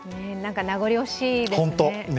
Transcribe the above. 名残惜しいですね。